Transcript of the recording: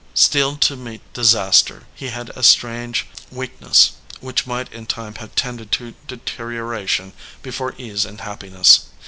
Steeled to meet disaster, he had a strange weakness, which might in time have tended to deterioration before ease and happiness.